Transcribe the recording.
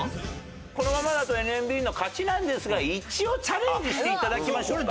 このままだとＮＭＢの勝ちなんですが一応チャレンジして頂きましょうか。